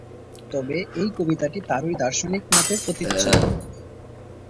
তবে এই কবিতাটি তারই দার্শনিক মতের প্রতিচ্ছবি।